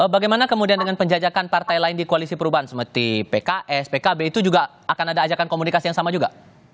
bagaimana kemudian dengan penjajakan partai lain di koalisi perubahan seperti pks pkb itu juga akan ada ajakan komunikasi yang sama juga